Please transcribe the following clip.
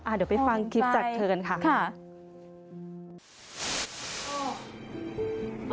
อ่าเดี๋ยวไปฟังคลิปจากเธอกันค่ะค่ะขอบคุณใจค่ะ